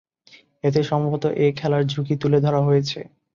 এতে সম্ভবত এ খেলার ঝুঁকি তুলে ধরা হয়েছে।